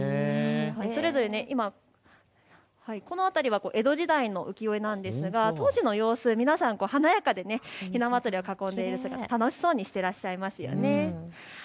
それぞれこの辺りは江戸時代の浮世絵ですが華やかでひな祭りを囲んでいる姿楽しそうにしていらっしゃいますよね。